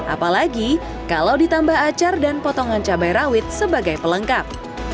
apalagi kalau ditambah acar dan potongan cabai rawit sebagai pelengkap